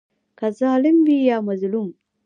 که ظالم وي یا مظلوم.